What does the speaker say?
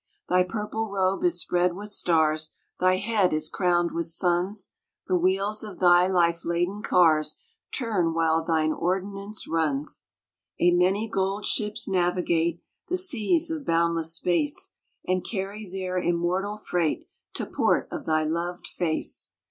" Thy purple robe is spread with stars, Thy head is crowned with suns, The wheels of Thy life laden cars Turn while Thine ordinance runs. THE PRAYER OF MARY QUEEN 23 " A many gold ships navigate The seas of boundless space, And carry their immortal freight To port of Thy loved Face.